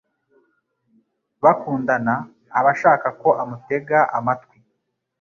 bakundana aba ashaka ko amutega amatwi